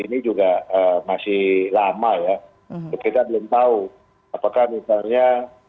biga biga rupiah kita punya